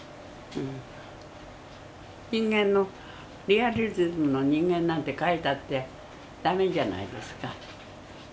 人間のリアリズムの人間なんて描いたって駄目じゃないですか。